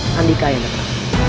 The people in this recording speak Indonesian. sandika ayah anda